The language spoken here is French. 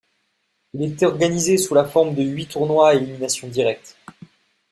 Il est organisé sous la forme de huit tournois à élimination directe.